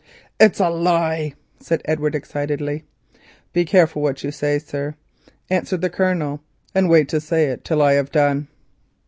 "It's a lie!" said Edward excitedly. "Be careful what you say, sir," answered the Colonel, "and wait to say it till I have done."